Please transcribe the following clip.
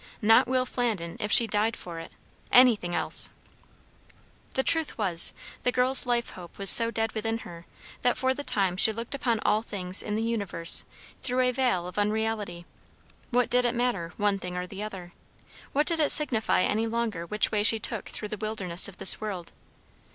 Not Will Flandin, if she died for it. Anything else. The truth was, the girl's life hope was so dead within her, that for the time she looked upon all things in the universe through a veil of unreality. What did it matter, one thing or the other? what did it signify any longer which way she took through the wilderness of this world?